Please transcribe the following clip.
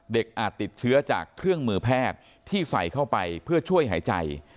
อาจติดเชื้อจากเครื่องมือแพทย์ที่ใส่เข้าไปเพื่อช่วยหายใจ